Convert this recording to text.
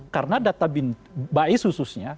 karena data bim bais khususnya